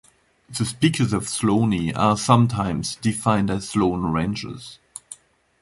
The speakers of Sloaney are sometimes defined as Sloane Rangers.